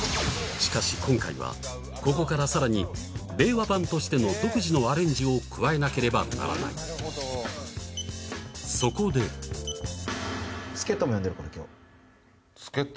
しかし今回はここからさらに令和版としての独自のアレンジを加えなければならないそこで助っ人？